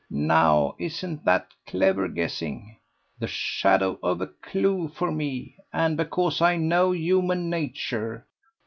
"Now isn't that clever guessing? The shadow of a clue for me. And because I know human nature.